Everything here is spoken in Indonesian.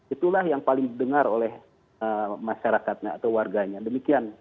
itulah yang paling didengar oleh masyarakatnya atau warganya demikian